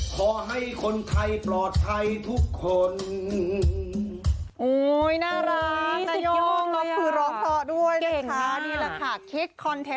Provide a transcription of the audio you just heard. ขอให้คนไทยปลอดภัยทุกคน